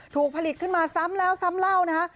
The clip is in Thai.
ถูกผลิตขึ้นมาซ้ำแล้วซ้ำเล่านะคะ